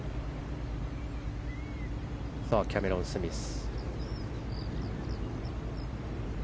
さあ、キャメロン・スミス。